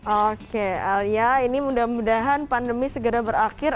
oke alia ini mudah mudahan pandemi segera berakhir